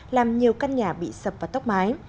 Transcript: làm nhiều căn nhà bị sập và tóc mái